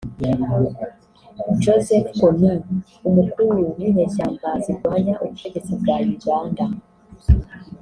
Joseph Kony Umukuru w’inyeshyamba zirwanya ubutegetsi bwa Uganda